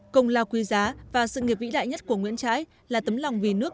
công lao quý giá và sự nghiệp vĩ đại nhất của nguyễn trãi là tấm lòng vì nước